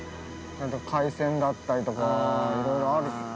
海鮮だったりとか、いろいろあるし。